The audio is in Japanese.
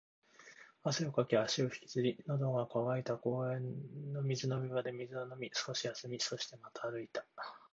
汗をかき、足を引きずり、喉が渇いたら公園の水飲み場で水を飲み、少し休み、そしてまた歩いた